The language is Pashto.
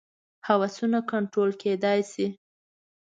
هوسونه کنټرول کېدای شي.